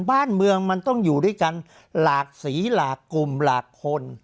บ้านเมืองมันต้องอยู่ด้วยกันหลากสีหลากกลุ่มหลากคน